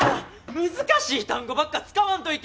難しい単語ばっか使わんといて！